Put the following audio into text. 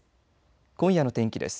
今夜の天気です。